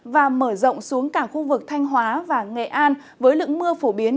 và mở rộng xuống cả khu vực thanh hóa và nghệ an với lượng mưa phổ biến